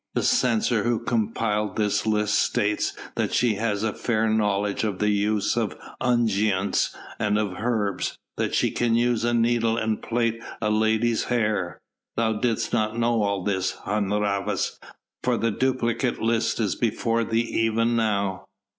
The censor who compiled this list states that she has a fair knowledge of the use of unguents and of herbs, that she can use a needle and plait a lady's hair. Thou didst know all this, Hun Rhavas, for the duplicate list is before thee even now."